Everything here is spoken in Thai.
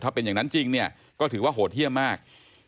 ถ้าเป็นอย่างนั้นจริงเนี่ยก็ถือว่าโหดเยี่ยมมาก